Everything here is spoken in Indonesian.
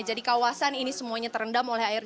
jadi kawasan ini semuanya terendam oleh air